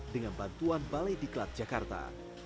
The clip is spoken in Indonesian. dengan bantuan balai diklat jakarta